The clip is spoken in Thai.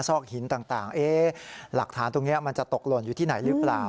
ซอกหินต่างหลักฐานตรงนี้มันจะตกหล่นอยู่ที่ไหนหรือเปล่า